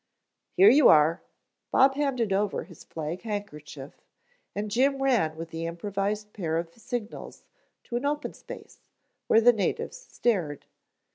"Here you are." Bob handed over his flag handkerchief, and Jim ran with the improvised pair of signals, to an open space, while the natives stared.